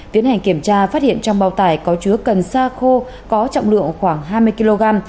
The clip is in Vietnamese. tiến hành kiểm tra phát hiện trong bao tải có chứa cần xa khô có trọng lượng khoảng hai mươi kg